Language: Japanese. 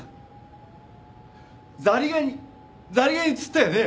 ザリガニザリガニ釣ったよね？